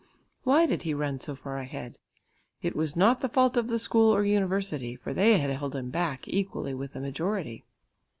Why did he run so far ahead? It was not the fault of the school or university, for they had held him back equally with the majority.